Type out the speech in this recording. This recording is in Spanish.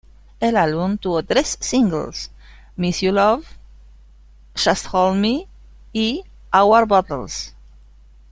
El álbum tuvo tres singles: "Miss You Love", "Just Hold Me" y "Our Battles".